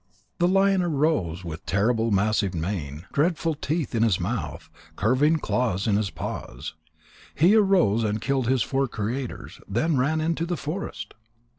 The lion arose with terrible massive mane, dreadful teeth in his mouth, and curving claws in his paws. He arose and killed his four creators, then ran into the forest.